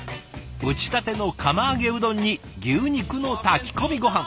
打ちたての釜揚げうどんに牛肉の炊き込みごはん。